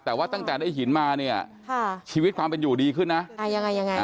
แต่ว่าตั้งแต่ได้หินมาเนี่ยชีวิตความเป็นอยู่ดีขึ้นนะ